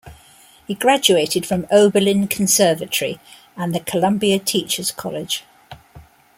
He graduated from Oberlin Conservatory and the Columbia Teachers College.